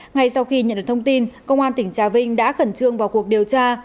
ngay sau khi nhận được thông tin công an tỉnh trà vinh đã khẩn trương vào cuộc điều tra